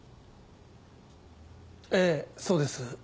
ええそうです